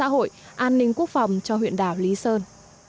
xã hội an ninh quốc phòng cho huyện đảo lý sơn